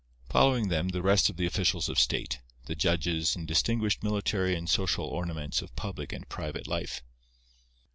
Following them, the rest of the officials of state, the judges and distinguished military and social ornaments of public and private life.